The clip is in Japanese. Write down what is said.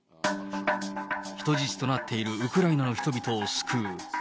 人質となっているウクライナの人々を救う。